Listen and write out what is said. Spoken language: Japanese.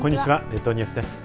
列島ニュースです。